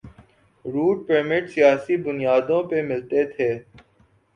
Route permit سیاسی بنیادوں پہ ملتے تھے۔